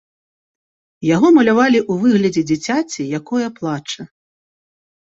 Яго малявалі ў выглядзе дзіцяці, якое плача.